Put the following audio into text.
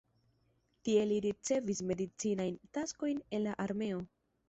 Tie li ricevis medicinajn taskojn en la armeo.